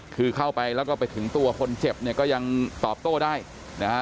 คือเข้าไปแล้วก็ไปถึงตัวคนเจ็บเนี่ยก็ยังตอบโต้ได้นะฮะ